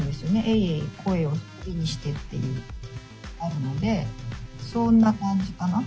「えいえい声を忍びにして」っていうあるのでそんな感じかな。